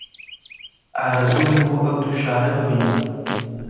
ئارەزووم بوو ئەو دوو شارە ببینم